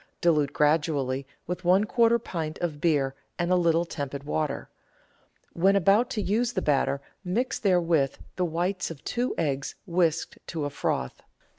Dilute gradually with one quarter pint of beer and a little tepid water. When about to use the batter mix therewith the whites of two eggs whisked to a froth.